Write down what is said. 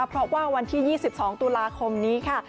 เพราะว่าวันที่๒๒ตุลาคมนี้ค่ะ